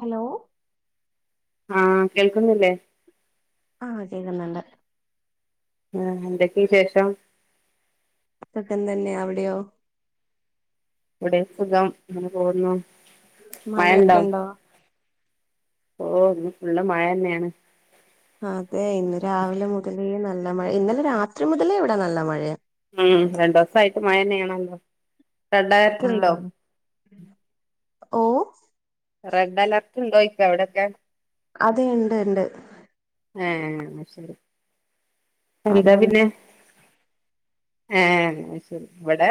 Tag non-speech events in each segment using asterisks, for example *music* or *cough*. Hello ആഹ് കേൾക്കുന്നില്ലേ ആഹ് കേക്കുന്നുണ്ട് ആഹ് എന്തൊക്കെയ വിശേഷം സുഖംതന്നെ അവിടെയോ ഇവിടേം സുഖം ഇങ്ങനെ പോന്നു മഴയൊക്ക്ണ്ടോ ഓഹ് ഇന്ന് ഫുള്ള് മഴയെന്നെയാണ് അതെ ഇന്ന് രാവിലെ മുതലേ നല്ല മഴ ഇന്നലെ രാത്രി മുതലേ എവിടെ നല്ല മഴയാ ഉം രണ്ട്ദിവസായിട്ട് മഴയെന്നെയാണല്ലോ റെഡലേട്ട്ണ്ടോ ഓഹ് റെഡലേർട്ട്ണ്ടോയിക്ക അവിടെയൊക്കെ അത് ഇണ്ട്ണ്ട് ആഹ് ന്നശെരി എന്താ അതുകൊണ്ട് പിന്നെ ഏഹ് അയ്ശെരി ഇവിടെ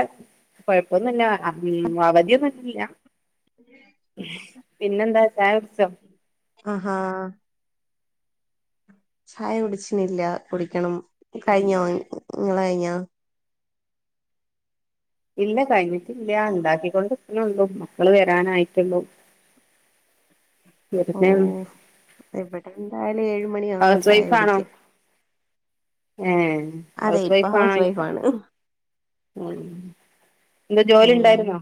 കൊഴപ്പൊന്നുല്ലാ *unintelligible* അവധിയൊന്നുല്ലാ പിന്നെന്താ ചായ കുടിച്ചോ ആഹ് ഹാ ചായ കുടിച്ചിനില്ല കുടിക്കണം ഉം കയിഞ്ഞോ നിങ്ങളെ കയിഞ്ഞോ ഇല്ല കഴിഞ്ഞിട്ടില്ല ഇണ്ടാക്കിക്കൊണ്ടിരിക്കുണുള്ളൂ ക്കള് വരാനായിട്ടുള്ളൂ ഓ വരുന്നേ ഇവിടെ എന്തായാലും ഏഴ് മണി ആവും ഹൗസ് ചായ വൈഫാണോ കുടിക്കാൻ ഏഹ് അതെ ഹൗസ് ഇപ്പൊ വൈഫ് വൈഫായിട്ട് ആണ് ഉം എന്താ ജോലി ഉം ഇണ്ടായിരുന്നോ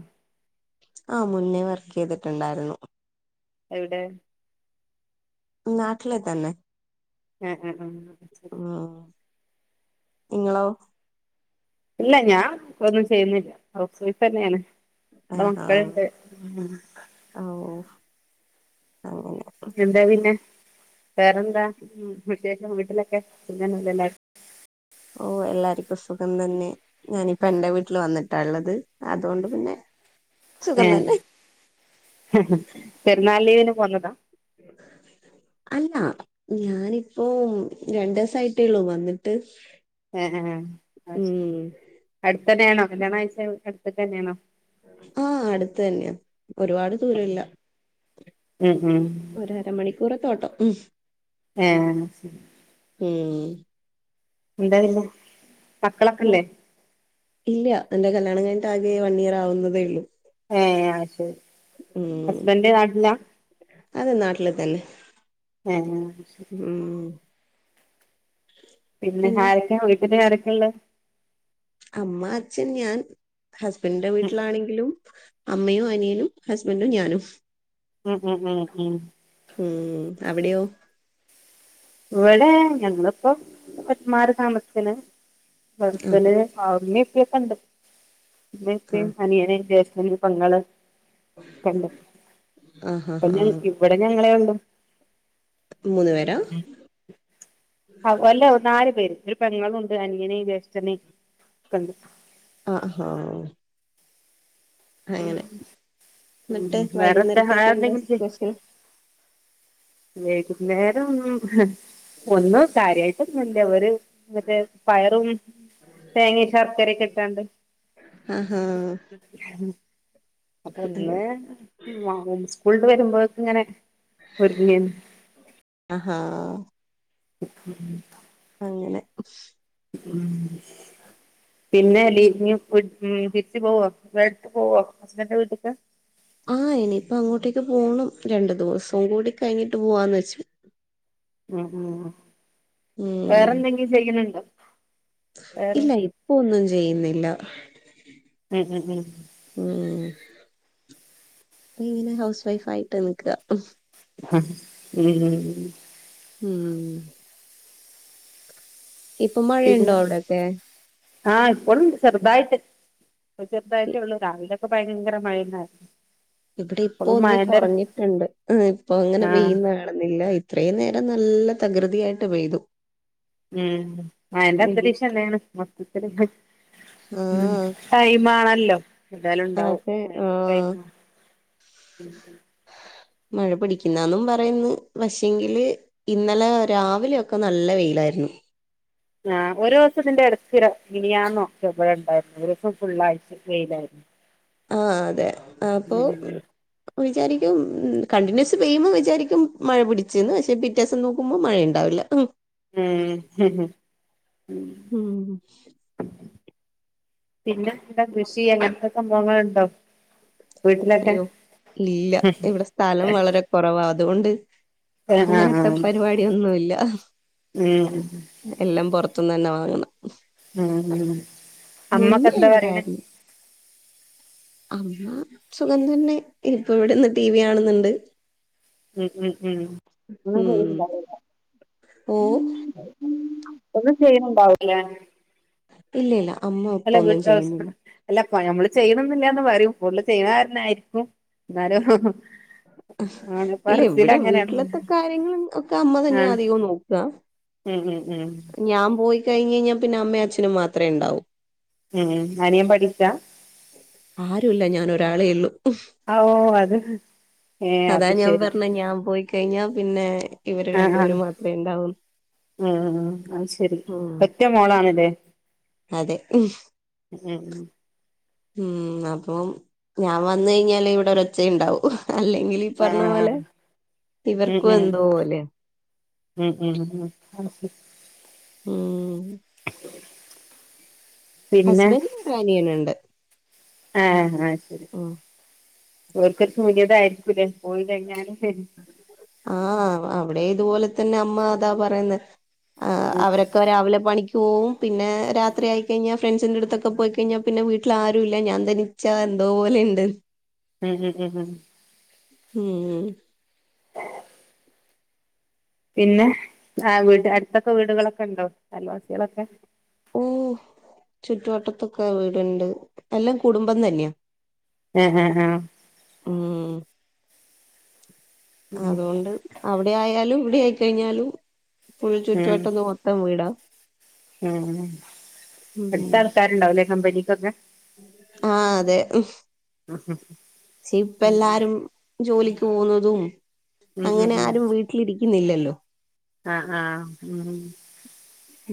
ആ മുന്നേ വർക്കെയ്തിട്ടുണ്ടായിരുന്നു എവിടെ നാട്ടില് തന്നെ അ അ ഉം ശെരി ഉം നിങ്ങളോ ഇല്ല ഞാൻ ഒന്നും ചെയ്യുന്നില്ല ഹൗസ് ഫൈഫ് തന്നെയാണ് ആഹാ മക്കളുണ്ട് ആ എന്താ പിന്നെ വേറെന്താ ഉം വിശേഷം വീട്ടിലൊക്കെ സുഖം തന്നെ എല്ലാർക്കും ഓ എല്ലാർക്കും സുഖം തന്നെ ഞാനിപ്പ എന്റെ വീട്ടിൽ വന്നിട്ടാള്ളത് അതുകൊണ്ട് പിന്നെ സുഖം ഏഹ് തന്നെ ഹ് ഹ് പെരുന്നാൾ ലീവിന് പോന്നതാ അല്ല ഞാനിപ്പോ രണ്ട് ദിവസായിട്ടേള്ളൂ വന്നിട്ട് ആ ആഹ് അത് ശരി ഉം അടുത്തന്നെ ആണോ കല്യാണം കഴിച്ച അടുത്ത് തന്നെയാണോ ആഹ് അടുത്ത് തന്നെയാ ഒരുപാട് ദൂരമില്ല ഉം ഉം ഒരു അര മണിക്കൂറത്തെ ഓട്ടം ഉം ആഹ് ശരി ഉം എന്ത പിന്നെ ഓ മക്കളൊക്കെല്ലേ ഇല്ല എന്റെ കല്യാണം കഴിഞ്ഞിട്ട് ആകെ വൺ ഇയർ ആവുന്നതേ ഉള്ളൂ ഏഹ് അത് ശരി ഉം ഹസ്ബൻ്റ് നാട്ടിലാ അതെ നാട്ടില് തന്നെ ഹ് ഹാ ഉം പിന്നെ ആരൊക്കെയാ വീട്ടില് ആരൊക്കെയാ ഉള്ള അമ്മ അച്ഛൻ ഞാൻ ഹസ്ബൻഡിന്റെ ഉം വീട്ടിലാണെങ്കിലും അമ്മയും അനിയനും ഹസ്ബൻറ്റും ഞാനും ഉം ഉം ഉം ഉം ഉം അവിടെയോ ഇവിടെ ഞങ്ങളിപ്പോ മാറി താമസിക്കണ് ആ ഹസ്ബൻ്റിന് ഉമ്മയും ഉപ്പയും ഒക്കെ ഉണ്ട് ഉമ്മയും ആ ഉപ്പയും അനിയനും പെങ്ങള് ഒക്കെ ഉണ്ട് ആഹ് ആഹ് പിന്നെ ആഹ് ഇവിടെ ഞങ്ങളെ ഉം മൂന്ന് പേരാ ആഹ് അല്ലേ നാല് പേര് ഒരു പെങ്ങളുണ്ട് അനിയന് ജ്യേഷ്ഠന് ഒക്കെ ഉണ്ട് ആഹ് ആഹ് അങ്ങനെ ഉം എന്നിട്ട് വേറെ എന്താ വൈകുന്നേരത്തേക്ക് വേറെ എന്താ എന്തെങ്കിലും ചെയ് സ്പെഷ്യൽ വൈകുന്നേരം ഒന്നും ഒന്നും കാര്യയായിട്ട് ഒന്നും ഇവര് മറ്റേ പയറും തേങ്ങ ശർക്കരയൊക്കെ ഇട്ടാണ്ട് ആഹ് ഹാ അപ്പൊ ഇന്ന് സ്കൂൾ വരുമ്പോക്ക ഇങ്ങനെ ഒരുങ്ങിയന്ന് ആഹാ ഉം അങ്ങനെ ഉം പിന്നെ ലീ ഇന്ന് ഇവിടുന്ന് തിരിച്ച് പോകുവോ പോവുമോ ഹസ്ബൻന്റെ വീട്ടിക്ക് ആഹ് ഇനിയിപ്പം അങ്ങോട്ടേക്ക് പോണം രണ്ടു ദിവസം കൂടി കഴിഞ്ഞിട്ട് പോവാന്ന് വെച്ച ഉം ഉം ഉം വേറെന്തെങ്കിലും ചെയ്യുന്നുണ്ടോ ഇല്ല ഇപ്പം ഒന്നും ചെയ്യുന്നില്ല ഉം ഉം ഉം ഉം ഇപ്പ ഇങ്ങനെ ഹൗസ് വൈഫ് ആയിട്ട് നിക്കുവാ ഹ് മ്മ്മ് ഇപ്പൊ മഴയുണ്ടോ അവിടെൊക്കെ ആഹ ഇപ്പോഴും ശെറുതായിട്ട അപ്പൊ ചെറുതായിട്ടേ ഉള്ളു രാവിലൊക്കെ ഭയങ്കര മഴന്നായിരുന്നു ഇവിടെ ഇപ്പൊ ഇപ്പോളും ഒന്ന് മഴന്റെ കുറഞ്ഞിട്ടുണ്ട് ഇപ്പൊ അങ്ങനെ ആഹ് വെ്യുന്നണെന്നില്ല ഇത്രയും നേരം നല്ല തകൃതിയായിട്ട് പെയ്തു ഉം ആയന്റെ ഇടി അന്തരീക്ഷം എല്ലാണ് മൊത്തത്തി ഉ ആഹ് ായി മാണ ല്ലോ എന്തായാലും ഉണ്ടാവും അതെ നരു ടൈ ആഹ് മഴ പിടിക്കുന്നും പറയുന്നു പക്ഷെങ്കില് ഇന്നലെ രാവിലെയൊക്കെ നല്ല വെയിലായിരുന്നു *inaudible* ആഹ ഒരു ദിവസത്തിതിന്റെ ഇടുത്തിര ഇനിയാന്നോക്കെ ഇവിടെ ഉണ്ടായിരുന്നു ഒരു ദിവസം ഫുള്ളാഴ്ച കയിലായിരുന്നു ആഹ അതെ അപ്പൊ വിാരിക്കും കണ്ടിന്യൂസ് പെയ്യുമ്പോൾ വിചാരിക്കും മഴ പിടിച്ചന്ന് പക്ഷെ വ്യത്യാസം നോക്കുമ്പോൾ മഴയുണ്ടാവില്ല ഉം ഹ ഹ ഉം. പിന്നെ ഇല്ല കൃഷി അങ്ങനത്തെ സംഭവങ്ങുണ്ടോ അയ്യോ ഇല്ല ഇവിടെ സ്ഥലം വളരെ കുറവാ അതുകൊണ്ട് ആഹ് ആഹ് അങ്ങനത്തെ ആഹ് പരിപാടിൊന്നുമല്ല ഉം എല്ലാം പുറത്ത് മൊത്തം തന്നെ വാങ്ങണം ഉം ഉം അമ്മക്കെ മുന്നേ എന്താ പറയണേ ഉണ്ടായിരുന്നു അമ്മ സുഖം തന്നെ ഇപ്പൊ ഇവിടെന്ന് ടി വി കാണുന്നുണ്ട് ഉം ഉം ഉം നന ഉം ഇല്ല ഓ ഒന്നും ചെയ്യുന്നുണ്ടാവില്ലേ ഇല്ലല്ല എല്ല ഗസ്ഥല്ല അ നമ്മള് ചെയ്യണെന്നില്ലാന്ന് പറയും കടുല് ചെയ്യുന്ന കാരനായിരിക്കും എാലും ഇല്ല ഇവിടെ വീട്ടിലത്തെ കാര്യങ്ങളും ഒക്കെ അമ്മ തന്നെയ ആഹ് അധികം നോക്കുക ഉം ഉം ഉം ഞാൻ പോയി കഴിഞ്ഞ കഴിഞ്ഞാൽ പിന്നെ അമ്മയും അച്ഛനും മാത്രമേ ഉണ്ടാവൂ ഉം ആന ഞാൻ പഠിച്ചാ ആരുല്ല ഞാനൊരാളെ ഉുള്ളൂ ഓ അത് ഏഹ് അതാ അത് ഞാൻ ശരി പറഞ്ഞ ഞാൻ പോയി കഴിഞ്ഞ പിന്നെ ഇവര് ആഹ് ആഹ് രണ്ടുപേര് മാത്രമേ എന്താവൂ ഉം അത് ശെരി പറ്റേ മോളാണല്ലേ അതെ ഉ ഉം അപ്പം ഞാൻ വന്ന കഴിഞ്ഞാല് ഇവിടെ ഒരച്ചുണ്ടാവും അല്ലെങ്കിൽ ഈ പറഞ്ഞ പോലെ ആഹ് ഉം ഇവർക്കും ഉം എന്തോലെ ഉം ഉം ഉ ഉ ഉം ആ ഹസ്ബൻഡ റനിയനുണ്ട് ആഹ ആഹ ശരി ഓർക്കർ ഇതായിരിക്കൂല്ലേ പോയില്ല ഞാനും ആഹ അവിടെ ഇതുപോലെ തന്നെ അമ്മ്മാതാ പറയുന്ന ആ ഉം അവരൊക്കെ രാവിലെ പണിക്ക പോവും പിന്നെ രാത്രി ആയിക്കഴിഞ്ഞാൽ ഫ്രണ്ട്സിന്റെ അടുത്തൊക്കെ പോയി കഴിഞ്ഞാൽ പിന്നെ വീട്ടിൽ ആരുും ഇല്ല ഞാൻ നിച്ചാ എന്തോപോലെുണ്ട് ഉം ഉം ഉം ഉം ഹം ആഹ പിന്നെ ആ വീടിന്റെ അടുത്തൊക്കെ വീടുകളൊക്കെ ഉണ്ടോ അയൽ വാസികളൊക്കെ ഓ ചുറ്റുവട്ടത്തൊക്കെ വീടുണ്ട് പിന്നെ കുടുബം തന്നെ അ അ അ അ അതോണ്ട് അവിടെയായാലും *inaudible* *inaudible* ഉം ചുറ്റുവട്ടമൊത്തം വീടാ ഉം ഉം അടുത്തൾക്കാരുണ്ടാവില്ലേ കമ്പനിക്കൊക്കെ ആ അതെചേ ഇപ്പ ല്ലാരും ജോലിക് *inaudible* ഉം തോന്യാലും പ വീട്ടിലിരിക്കുന്നില്ലല്ലോ ആ ആ ഉ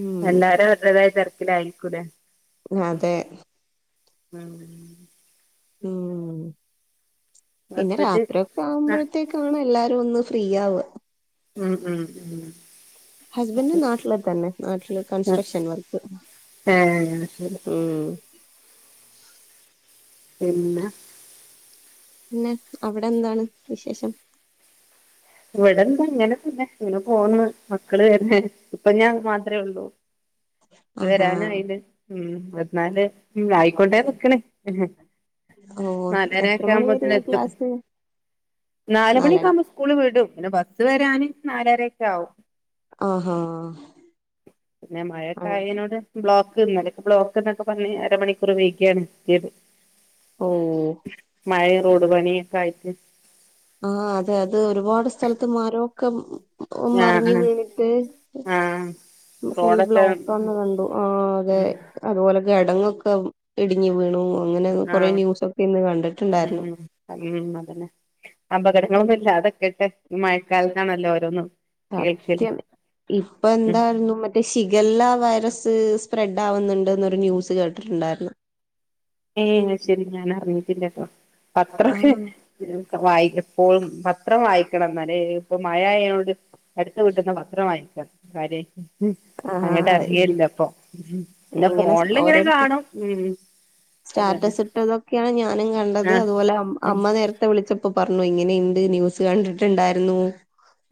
ഉം എല്ലാരും അവര് ടേതായ തിരക്കിലായിക്കൂല്ലേ മ്മ് തെ മ്മ് ഉം പിന്നെ ഹസ്ബൻഡ് രാത്രിയ ക്കെ ആഹ് ആവുമ്പോഴത്തേക്കാണല്ലാരും ഒന്ന് ഫ്രീയാവ മ്മ് മ്മ് മ്മ് ഹസ്ബൻഡ് നാട്ടിലതന്നെ നാട്ടില് കൺസ്ട്രക്ഷൻ വർക്ക് എന്നാ ശെരി ഉം എന്ന പിന്നെ അവിടെ ഏന്തുന്ന വിശേഷം ഇവിടെന്താ ങ്ങനെ തന്നെ ങ് പോന്ന് മക്കള് വരുചെയ്ത് ഇപ്പൊ ഞാൻ മാത്രമേള്ളു ആഹാ വരാനായില്ലേ ഉം ന്നാല് ഉ ആയിക്കൊണ്ടേ നിക്കണ് ഓ എത്ര നലരൊക്കെ മണി ആവുമ്പോതേ വരെയാ നേത്തും ക്ലാസ് നാലര നാലുമണിക്കകുമ്പോ സ്കൂള് വിടും പിന്നെ ബസ് വരാന് നാലരക്കാവും ആഹാ പിന്നെ മഴകെ ആ ആയോട് ബ്ലോക്ക്ന്നെ ബ്ലോക്ക് ന്നൊക്കെ പറഞ്ഞ് അരമണിക്കൂർ വേകിയാനെത്തിയത് ഉം.... തോട് പണീക്കായിട്ട് ആ അതെ അത് ഒരുപാട് സ്ഥലത്ത് മരൊക്കെ ഒ മറിഞ് ആഹ് ആഹ് വീണിട്ട് ആഹ് ഫുൾ റോഡൊക്കെ ബ്ലോക്കാണ് കണ്ട് ആ അതെ ഉം അതുപോലെ കിടങ്ങൊക്കെ ഇടിങ്ങി വീണു അങ്ങനെ കൊറ ആഹ് ന്യൂസൊക്കെ ഇന്ന് കണ്ടിട്ട് ഉം ണ്ടായിരുന്നു അപകടങ്ങളൊന്നുല്ലാ അതൊക്കെട്ടെ മഴക്കാലത്താണല്ലോ ഓരോന്നും കേൾക്കല് സത്യം ഇപ്പൊ ഉം എന്താരുന്നു മറ്റേ ശിഗല്ല വൈറസ് അത് സ്പ്ര് ഡ് ആവുന്നുണ്ട് നൊരു ന്യൂസ് കേട്ടിട്ടുണ്ടായിരുന്നു ഏ ശരി ഞാൻ അറിഞ്ഞിട്ടില്ലാട്ടോ അത്രക്കെ ആഹ് വായിക് എപ്പോഴും പത്രം വായിക്കണം എന്നാ ല്ലേ ഇപ്പൊ മഴയയോട് അടുത്ത കിട്ടുന്ന പത്രം വായിക്കാ കാര്യയി ആ അങ്ങിട്ട് അറിയേല്ല പ്പ പിന്നെ ഇങ്ങനെ ഫോണിലിംങ്ങനെ ഓരോരുത്ത കാണും ഉം അതന്നെ സ്റ്റാറ്റസ് ഇട്ടതൊക്കെയാണ് കണ്ടത് ആഹ് അതുപോലെഅമ് ഉം അമ്മ നേരത്തെ വിളിച്ചപ്പോ പ പറഞ്ഞു ഇങ്ങനെണ്ട് ന്യൂസ് കണ്ടിട്ടുണ്ടായിരുനോ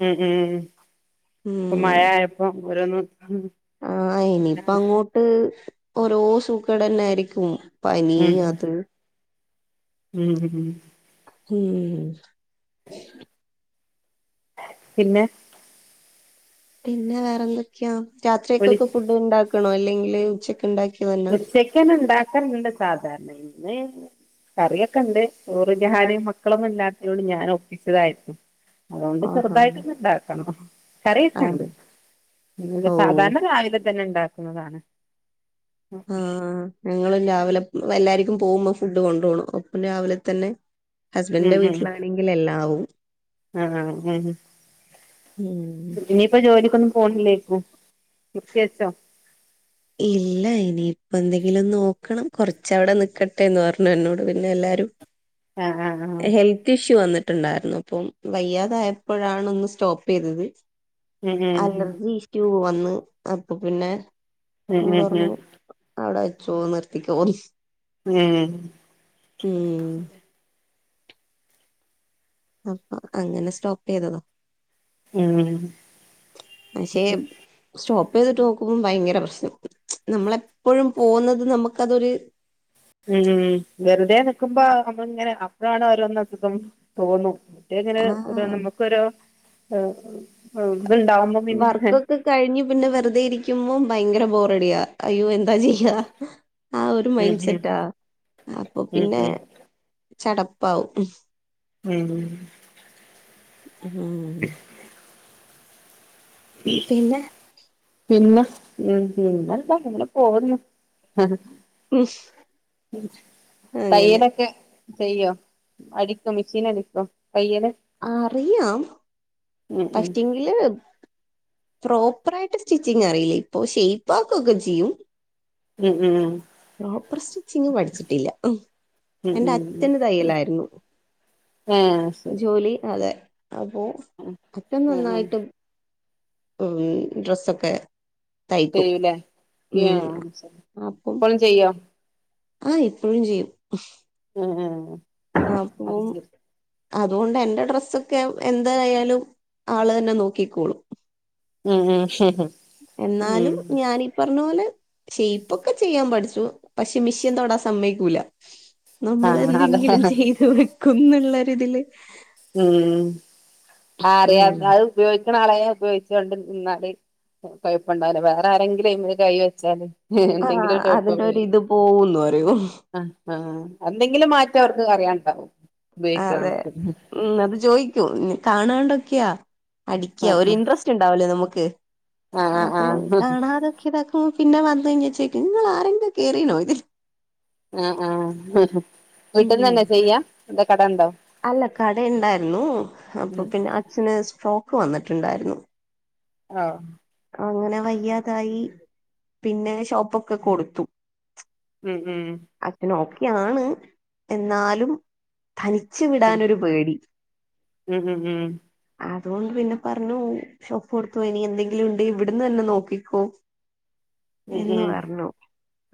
ഉം ഉം ഇപ്പൊ മഴയായപ്പോ ഓരോന്ന് ആ ഇനിയിപ്പ ങ്ങോട്ട് ഓരോ സൂകേടാന്നായിരിക്കും പനിയത് *inaudible* *unintelligible* പിന്നെ പിന്നെ വേറെന്തൊക്കെയി വിളി രാത്രിയൊക്കൊക്കെ ഫുഡ് ഇണ്ടാക്കണോ അല്ലെങ്കില് ഉച്ചക്കിണ്ടാക്കി ഉച്ചക്കന്നെ ഇണ്ടാക്കല്ണ്ട് സാധാരണ ഇന്ന് കറിയൊക്കെ ഇണ്ട് ചോറ് ഞാനും മക്കളൊന്നും *unintelligible* ഒപ്പിച്ചതായിരുന്നു അതൊണ്ട് ആഹാ ചെറുതായിട്ട് ഒന്ന് ഇണ്ടാക്കണം ആഹ് കറിയികെണ്ട് ഓ സാധാരണ രാ തന്നെ ഇണ്ടാക്ക്ണെതാണ് ആഹ് ഞങ്ങളും രാവിലെ പ്പല്ലാരിക്കും പോകുമ്പോ ഫുഡ് കൊണ്ടോണം ഒപ്പം രാവിലെത്തെന്നെ ഹസ്ബൻഡിന്റെ വീട്ടിലാണെങ്കിലെല്ലാവും ആഹ് ഉം ഉം ഇഞ്ഞിപ്പം ജോലിക്കൊന്നും പോണില്ലേക്കും? നിസ്ക്കെര്‌ച്ചൊ? ഇല്ല ഇനിയിപ്പെന്തെങ്കിലും നോക്കണം കൊറച്ചവിടെ നിക്കെട്ടേന്ന് പറഞ്ഞു എന്നോട് പിന്നെല്ല രും ആ ആ ആ ഉം ഹെൽത്തിഷ്യൂ വന്ന് ട്ട്ണ്ടായിരുന്നുപ്പം വയ്യാതായപ്പോഴാണ് ഒന്ന് സ്റ്റോപ്പെയ്തത് ഉം അലർജി ഇഷ്യൂ വന്ന് അപ്പൊ പിന്നെ മ് മ് മ് അവ്ടെ വെച്ചൊ നിർത്തിക്കോന്ന് ഏഹ് ഉം അപ്പൊ അങ്ങനെ സ്റ്റോപ്പെയ്തെത മ് പക്ഷേ സ്റ്റോപ്പ് ചെയ്തിട്ട് നോക്കുമ്പോ ഭയങ്കര പ്രശ്നം നമ്മളെപ്പഴും പോകുന്നത് നമ്മക്കതൊര് ഉം വെറ്തെ നിക്കുമ്പോ നമ്മള്ങ്ങനെ അപ്പഴാണ് ഓരോന്നക്കെ തോന്നു മറ്റെങ്ങനെ ഒര് ആഹ് നമുക്കൊരൊ വർക്കൊക്കെ കഴിഞ്ഞ് പിന്നെ വെറുതെയിരിക്കുമ്പോ ഭയങ്കര ബോറടിയാ അയ്യോ എ എന്താ ചെയ്യാ ആ ഒരു ഉം മൈൻസെറ്റാ അപ്പൊ ഉം പിന്നെ ഉം ചടപ്പാവും ഉം ഉം പിന്നെ? പിന്ന പിന്നെന്താ അങ്ങനെ പോവ്ന്ന് ഉം അങ്ങനെ തയ്യലൊക്കെ ചെയ്യോ? അടിക്കോ മിഷീനടിക്കൊ? അറിയാം ഉം ഉം പക്ഷെങ്കില് പ്രോപ്പറായിട്ട് സ്റ്റിച്ചിങറിയില്ലയിപ്പൊ ഷെയ്പ്പാക്കൊക്കെ ചെയ്യും ഉം ഹും പ്രോപ്പർ സ്റ്റിച്ചിങ് പഠിച്ചിട്ടില്ല ഉം ഉം എന്റെ ഉം അച്ഛന് തയ്യലായിരുന്നു ആഹ് ശരി ജോലി അതെ. അപ്പോ ഉം അച്ചൻ ഉം ഉം നന്നായിട്ട് ഡ്രെസ്സൊക്കെ. തയ്ക്കും ചെയ്യൂലേ ഉം ആഹ് ശരി അപ്പം. ഇപ്പളും ചെയ്യോ ആഹ് ഇപ്പോഴും ചെയ്യും. ആഹ് ആഹ് ആഹ് അപ്പം അതുകൊണ്ട് എന്റെ ഡ്രെസ്സൊക്കെ എന്തായാലും ആള് തന്നെ നോക്കിക്കോളും. ഉം ഉം *unintelligible* എന്നാലും ഉം ഞാനീ പറഞ്ഞ പോലെ. ഷൈപ്പൊക്കെ ചെയ്യാൻ പഠിച്ചു പക്ഷെ മെഷീൻ തൊടാൻ സമ്മയിക്കൂല. നമ്മൾ ആഹ് അതെ എന്തെങ്കിലും ചെയ്ത് വെക്കും എന്നുള്ളരിതില്. ഉം ആറിയ അത് ഉപയോഗി ക്കണാളയെ ഉപയോഗിച്ചോണ്ട് നിന്നാല് കുഴപ്പം ഉണ്ടാവില്ല വേറെ ആരെങ്കിലും ആയിമെ കൈവെച്ചാല്. ആഹ് അതിന്റെരിത് പോവൂന്ന് പറയും. ആഹ് ആഹ് എന്തെങ്കിലും മാറ്റം അവർക്ക് അറിയാനുണ്ടാവും. അതെ ഉം അത് ചോദിക്കൂ കാണാണ്ടൊക്കെയാ. അടിക്ക്യാ ആഹ് ഒരു ഇൻട്രസ്റ്റ് ഇണ്ടാവുല്ലേ ഞമ്മക്ക് ആഹ് അപ്പൊ ആഹ് കാണാതൊക്കെ ഇതാക്ക് പിന്നെ വന് കഴിഞ്ഞ ചോയ്ക നിങ്ങളാരെങ്കിലും കയറീണോ ഇതില്. ആഹ് ആഹ് വീട്ടന്ന് തന്നെ ചെയ്യാ അതോ കടണ്ടോ അല്ല കടയിണ്ടായിരുന്നു അപ്പൊ പിന്നെ അച്ഛന് സ്ട്രോക്ക് വന്നിട്ടുണ്ടായിരുന്നു ആഹ് അങ്ങനെ വയ്യാതായി പിന്നെ ഷോപ്പൊക്കെ കൊടുത്തു ഉം ഉം അച്ഛനോക്കെയാണ് എന്നാലും തനിച്ചു ഉം വിടാനൊരു പേടി ഉം ഉം ഉം അതുകൊണ്ട് പിന്നെ പറഞ്ഞു ഷോപ്പ് കൊടുത്തു ഇനി എന്തെങ്കിലും ഉണ്ട് ഇവിട്ന്ന് തന്നെ നോക്കിക്കോ ഉം എന്നു ഉം പറഞ്ഞു